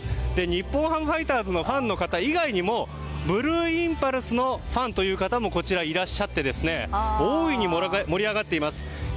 日本ハムファイターズのファンの方以外にもブルーインパルスのファンという方もいらっしゃって大いに盛り上がっています。